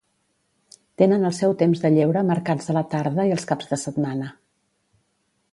Tenen el seu temps de lleure marcats a la tarda i als caps de setmana.